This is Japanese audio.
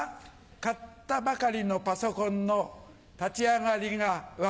買ったばかりのパソコンの立ち上がりが悪い。